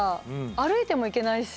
歩いても行けないし。